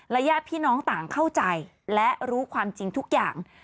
ญาติพี่น้องต่างเข้าใจและรู้ความจริงทุกอย่าง